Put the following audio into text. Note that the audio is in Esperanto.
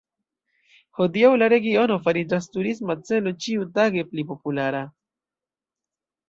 Hodiaŭ la regiono fariĝas turisma celo ĉiutage pli populara.